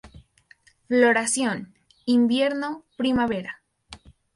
Floración: invierno-primavera.